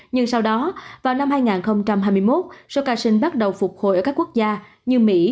nhưng sau đó vào năm hai nghìn hai mươi một số ca sinh bắt đầu phục hồi ở các quốc gia như mỹ